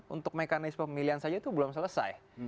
untuk mekanisme pemilihan saja itu belum selesai